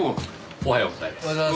おはようございます。